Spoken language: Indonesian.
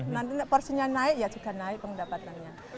nanti porsinya naik ya juga naik pendapatannya